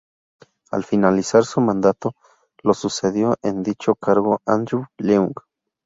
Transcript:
Al finalizar su mandato, lo sucedió en dicho cargo Andrew Leung.